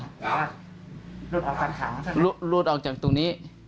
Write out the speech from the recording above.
ใช่ครับหลุดออกจากตรงนี้